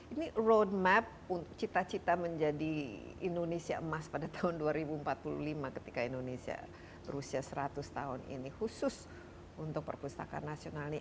ini roadmap cita cita menjadi indonesia emas pada tahun dua ribu empat puluh lima ketika indonesia berusia seratus tahun ini khusus untuk perpustakaan nasional ini